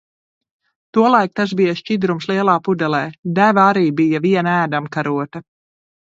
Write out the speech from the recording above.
Tolaik tas bija šķidrums lielā pudelē. Deva arī bija viena ēdamkarote.